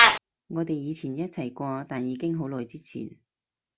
我哋以前一齊過，但已經好耐之前